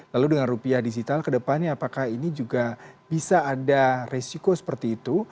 lalu dengan rupiah digital kedepannya apakah ini juga bisa ada resiko seperti itu